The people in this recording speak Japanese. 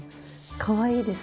かわいいです。